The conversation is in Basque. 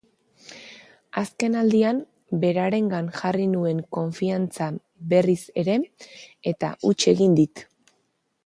Azken aldian berarengan jarri nuen konfiantza berriz ere, eta huts egin dit.